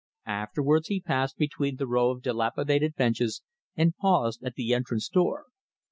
Afterwards he passed between the row of dilapidated benches and paused at the entrance door.